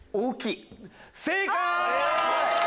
正解！